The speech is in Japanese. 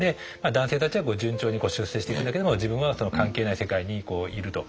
男性たちは順調に出世していくんだけども自分は関係ない世界にいると。